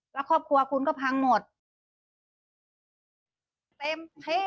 แล้วครอบครัวคุณก็พังหมดเต็มที่